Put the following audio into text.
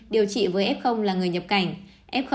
điều trị với f là người nhập cảnh